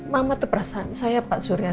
mama tuh perasaan saya pak surya